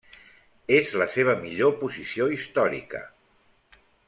És la seva millor posició històrica.